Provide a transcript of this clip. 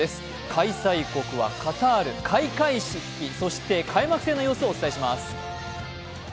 開催国はカタール、開会式、そして開幕戦の様子をお伝えします。